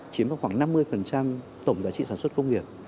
chiếm vào khoảng năm mươi tổng giá trị sản xuất công nghiệp